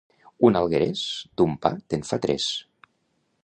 Un alguerés, d'un pa te'n fa tres.